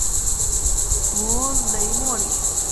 弗雷默里。